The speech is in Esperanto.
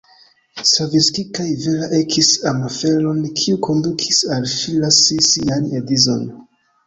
Stravinski kaj Vera ekis amaferon kiu kondukis al ŝi lasi sian edzon.